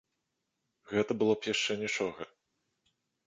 Гэта было б яшчэ нічога.